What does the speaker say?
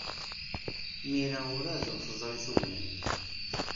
Mira werɛad ur teẓri tugna-nni.